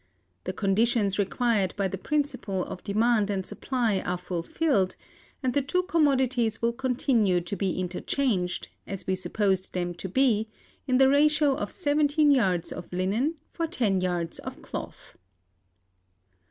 The conditions required by the principle of demand and supply are fulfilled, and the two commodities will continue to be interchanged, as we supposed them to be, in the ratio of seventeen yards of linen for ten yards of cloth.